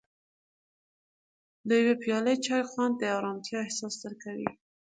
د یو پیاله چای خوند د ارامتیا احساس درکوي.